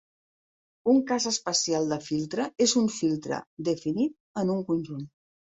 Un cas especial de filtre és un filtre definit en un conjunt.